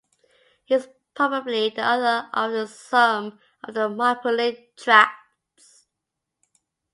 He is probably the author of some of the Marprelate Tracts.